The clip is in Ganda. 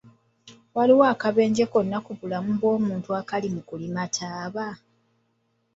Waliwo akabenje konna ku bulamu bw'omuntu akali mu kulima taaba?